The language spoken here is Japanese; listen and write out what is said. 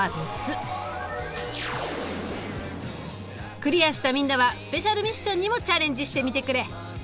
クリアしたみんなはスペシャルミッションにもチャレンジしてみてくれ。